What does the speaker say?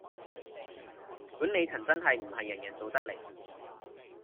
管理層真係唔係人人做得嚟